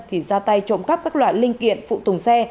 thì ra tay trộm cắp các loại linh kiện phụ tùng xe